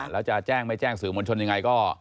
แล้วจะแจ้งไม่แจ้งสื่อมวลชนยังไงก็